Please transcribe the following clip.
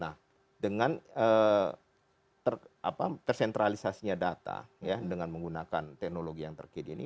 nah dengan tersentralisasinya data ya dengan menggunakan teknologi yang terkini ini